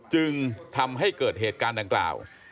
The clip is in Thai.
จึงทำให้เกิดเหตุการณ์ดังกล่าว